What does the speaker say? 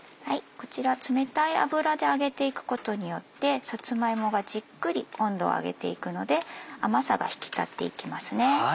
こちら冷たい油で揚げていくことによってさつま芋がじっくり温度を上げていくので甘さが引き立っていきますね。